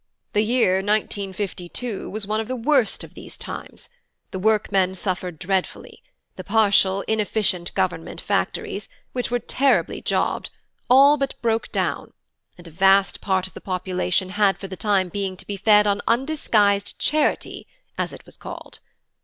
The year 1952 was one of the worst of these times; the workmen suffered dreadfully: the partial, inefficient government factories, which were terribly jobbed, all but broke down, and a vast part of the population had for the time being to be fed on undisguised "charity" as it was called.